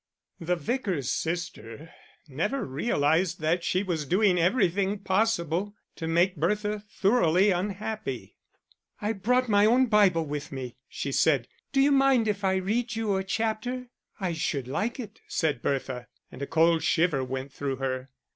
The Vicar's sister never realised that she was doing everything possible to make Bertha thoroughly unhappy. "I brought my own Bible with me," she said. "Do you mind if I read you a chapter?" "I should like it," said Bertha, and a cold shiver went through her.